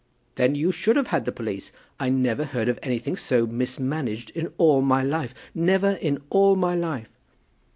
"Then you should have had the police. I never heard of anything so mismanaged in all my life, never in all my life."